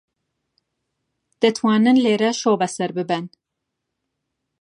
دەتوانن لێرە شەو بەسەر ببەن.